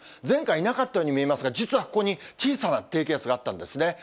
前回、なかったように見えますが、実はここに小さな低気圧があったんですね。